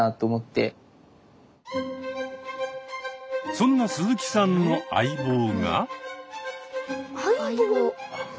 そんな鈴木さんの相棒が。